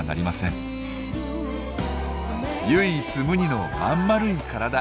唯一無二のまんまるい体。